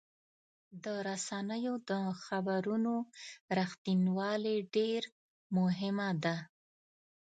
د رسنیو د خبرونو رښتینولي ډېر مهمه ده.